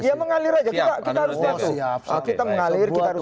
kita mengalir kita harus patuh